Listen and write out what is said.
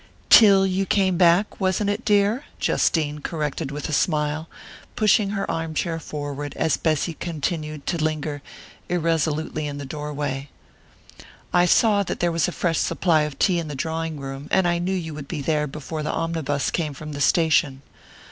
"Till you came back wasn't it, dear?" Justine corrected with a smile, pushing her arm chair forward as Bessy continued to linger irresolutely in the doorway. "I saw that there was a fresh supply of tea in the drawing room, and I knew you would be there before the omnibus came from the station."